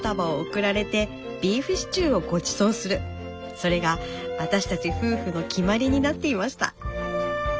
それが私たち夫婦の決まりになっていました。